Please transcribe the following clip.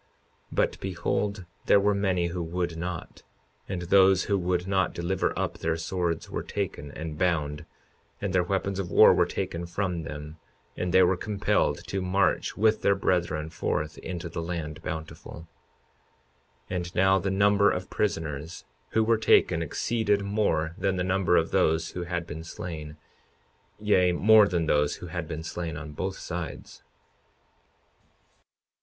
52:39 But behold, there were many that would not; and those who would not deliver up their swords were taken and bound, and their weapons of war were taken from them, and they were compelled to march with their brethren forth into the land Bountiful. 52:40 And now the number of prisoners who were taken exceeded more than the number of those who had been slain, yea, more than those who had been slain on both sides.